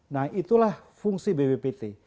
nah itulah fungsi bppt